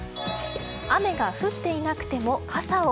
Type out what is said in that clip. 雨が降っていなくても傘を。